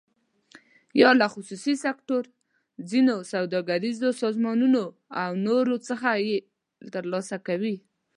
یا له خصوصي سکتور، ځینو سوداګریزو سازمانونو او نورو څخه یې تر لاسه کوي.